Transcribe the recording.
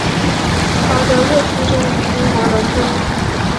陶德瑞出生于英国伦敦。